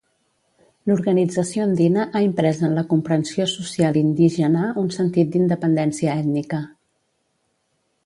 L'organització andina ha imprés en la comprensió social indígena un sentit d'independència ètnica.